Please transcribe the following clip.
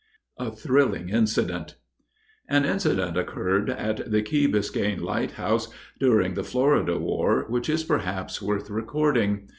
A THRILLING INCIDENT. An incident occurred at the Key Biscayne lighthouse, during the Florida war, which is perhaps worth recording.